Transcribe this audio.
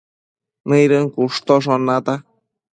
nëidën cushtoshon nata